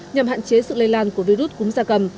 nhằm hạn chế sự lây lan của virus cúm da cầm